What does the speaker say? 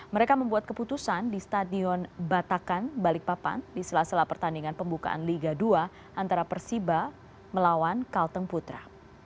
mereka membuat keputusan di stadion batakan balikpapan di sela sela pertandingan pembukaan liga dua antara persiba melawan kalteng putra